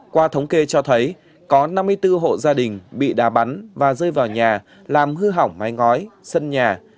qua thống kê cho thấy có năm mươi bốn hộ gia đình bị đà bắn và rơi vào nhà làm hư hỏng mái ngói sân nhà